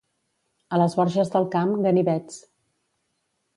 A les Borges del Camp, ganivets.